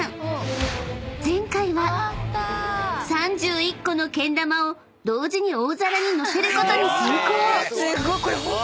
［前回は３１個のけん玉を同時に大皿に載せることに成功！］